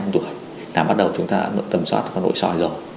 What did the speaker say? đã bắt đầu chúng ta tầm soát qua nội soi rồi